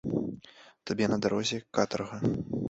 Табе на дарозе катарга.